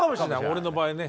俺の場合ね。